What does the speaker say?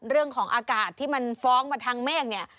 เรื่องของอากาศที่มันฟ้องมาทางเมฆเนี่ย